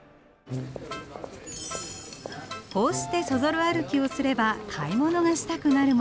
こうしてそぞろ歩きをすれば買い物がしたくなるもの。